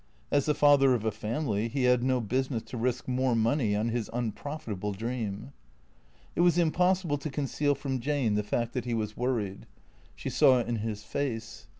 As the father of a family he had no busi ness to risk more money on his unprofitable dream. It was impossible to conceal from Jane the fact that he was worried. She saw it in his face.